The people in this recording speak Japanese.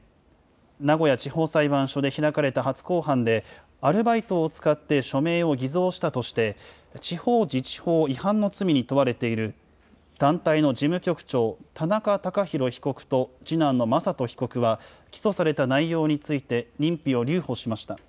名古屋地方裁判所で開かれた初公判で、アルバイトを使って署名を偽造したとして、地方自治法違反の罪に問われている団体の事務局長、田中孝博被告と次男の雅人被告は、起訴された内容について、認否を留保しました。